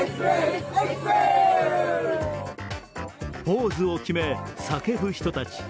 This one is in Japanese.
ポーズを決め、叫ぶ人たち。